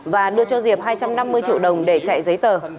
và đưa cho diệp hai trăm năm mươi triệu đồng để chạy giấy tờ